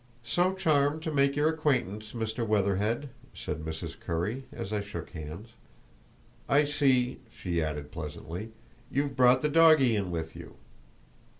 "So charmed to make your acquaintance, Mr. Weatherhead," said Mrs. Currie, as I shook hands. "I see," she added, pleasantly, "you've brought the doggie in with you."